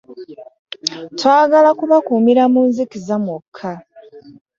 Twagala kubakuumira mu nzikiza mwokka.